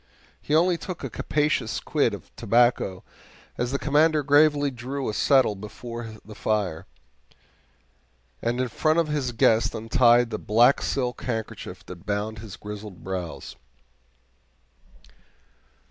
He only took a capacious quid of tobacco as the Commander gravely drew a settle before the fire, and in honor of his guest untied the black silk handkerchief that bound his grizzled brows.